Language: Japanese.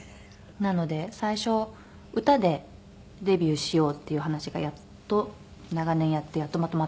なので最初歌でデビューしようっていう話がやっと長年やってやっとまとまったんですけど。